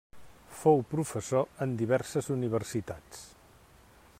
Fou professor en diverses universitats.